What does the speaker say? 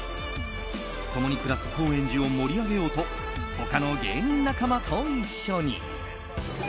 共に暮らす高円寺を盛り上げようと他の芸人仲間と一緒に。